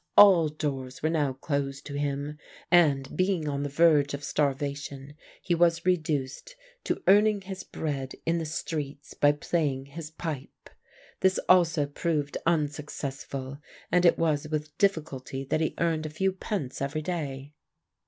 All doors were now closed to him, and being on the verge of starvation he was reduced to earning his bread in the streets by playing his pipe. This also proved unsuccessful, and it was with difficulty that he earned a few pence every day.